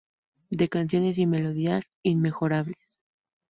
De canciones y melodías inmejorables.